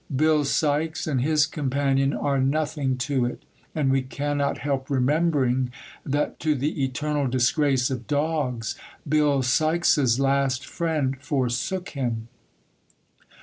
Bill Sikes and his companion are nothing to it, and we cannot help remembering that to the eternal disgrace of dogs, Bill Sikes's last friend forsook him.